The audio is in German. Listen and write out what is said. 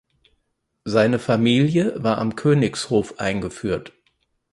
Seine Familie war am Königshof eingeführt.